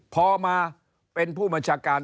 พอมาเป็นผู้บัญชาการ